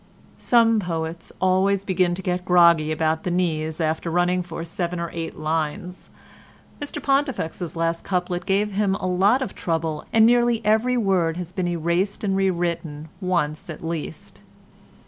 Some poets always begin to get groggy about the knees after running for seven or eight lines. Mr Pontifex's last couplet gave him a lot of trouble, and nearly every word has been erased and rewritten once at least.